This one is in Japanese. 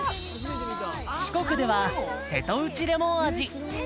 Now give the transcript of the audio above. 四国では瀬戸内レモン味